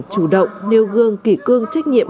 chủ động nêu gương kỷ cương trách nhiệm